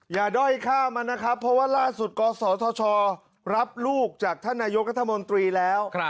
ด้อยฆ่ามันนะครับเพราะว่าล่าสุดกศธชรับลูกจากท่านนายกรัฐมนตรีแล้ว